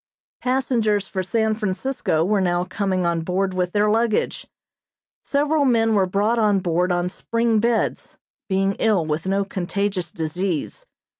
Passengers for San Francisco were now coming on board with their luggage. Several men were brought on board on spring beds, being ill with no contagious disease.